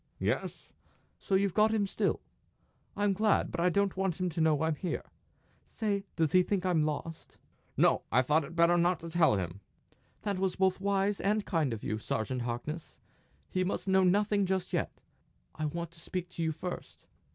"Yes." "So you've got him still! I'm glad; but I don't want him to know I'm here. Stay does he think I'm lost?" "No. I thought it better not to tell him." "That was both wise and kind of you, Sergeant Harkness! He must know nothing just yet. I want to speak to you first."